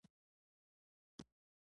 سپوږمۍ میینه شوه